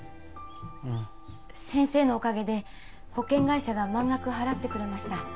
うん先生のおかげで保険会社が満額払ってくれました